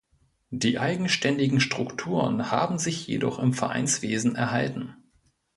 Die eigenständigen Strukturen haben sich jedoch im Vereinswesen erhalten.